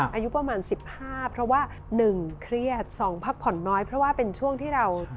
อายุประมาณ๑๕เพราะว่า๑เครียด๒พักผ่อนน้อยเพราะว่าเป็นช่วงที่เรา